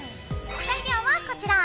材料はこちら。